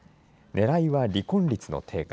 ねらいは離婚率の低下。